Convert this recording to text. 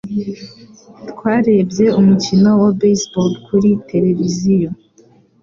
Twarebye umukino wa baseball kuri tereviziyo.